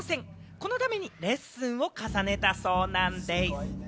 このためにレッスンを重ねたそうなんでぃす。